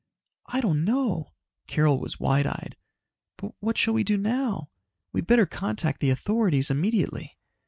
"I don't know." Carol was wide eyed. "But what shall we do now? We'd better contact the authorities immediately!"